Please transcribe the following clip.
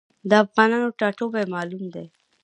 د افغانانو ټاټوبی معلوم دی.